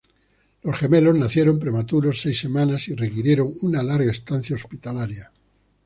Las gemelos nacieron prematuras seis semanas y requirieron una larga estancia hospitalaria.